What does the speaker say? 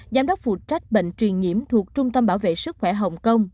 giám đốc phụ trách bệnh truyền nhiễm thuộc trung tâm bảo vệ sức khỏe hồng kông